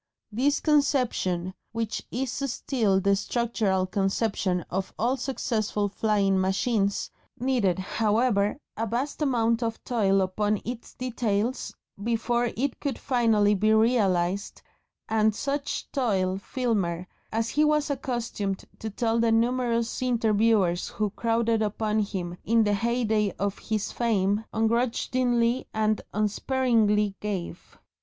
This conception, which is still the structural conception of all successful flying machines, needed, however, a vast amount of toil upon its details before it could actually be realised, and such toil Filmer as he was accustomed to tell the numerous interviewers who crowded upon him in the heyday of his fame "ungrudgingly and unsparingly gave."